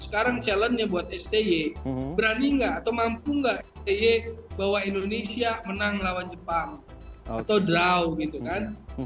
sekarang challengenya buat sty berani nggak atau mampu nggak sty bahwa indonesia menang lawan jepang atau draw gitu kan